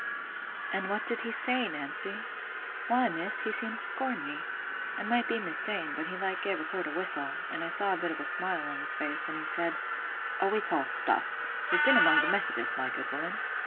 "And what did he say, Nancy?" "Why, Miss, he seemed to scorn me. I might be mista'en—but he like gave a sort of a whistle, and I saw a bit of a smile on his face; and he said, 'Oh, it's all stuff! You've been among the Methodists, my good woman.